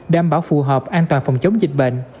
đảm bảo phù hợp an toàn phòng chống dịch bệnh